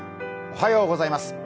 おはようございます。